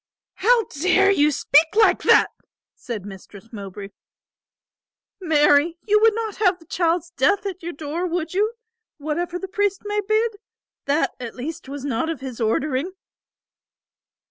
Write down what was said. "How dare you speak like that?" said Mistress Mowbray. "Marry, you would not have the child's death at your door, would you, whatever the priest may bid? That at least was not of his ordering."